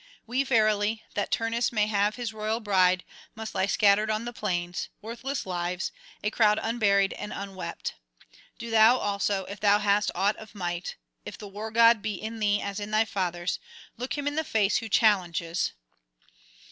We verily, that Turnus [371 406]may have his royal bride, must lie scattered on the plains, worthless lives, a crowd unburied and unwept. Do thou also, if thou hast aught of might, if the War god be in thee as in thy fathers, look him in the face who challenges.